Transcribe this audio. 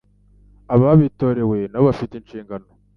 Ababitorewe na bo bafite inshingano